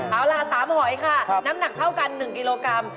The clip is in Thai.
เอาล่ะ๓หอยค่ะน้ำหนักเท่ากัน๑กิโลกรัม